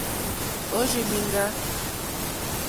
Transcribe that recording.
Òrzì lìŋɡá.